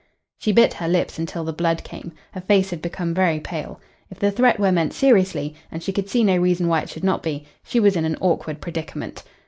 She bit her lips until the blood came. Her face had become very pale. If the threat were meant seriously and she could see no reason why it should not be she was in an awkward predicament.